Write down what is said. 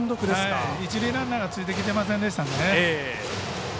一塁ランナーがついてきてませんでしたので。